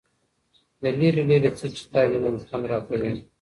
د ليري، ليري څه چي تا وينمه خوند راكوي